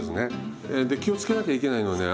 で気をつけなきゃいけないのはね